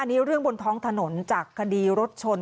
อันนี้เรื่องบนท้องถนนจากคดีรถชน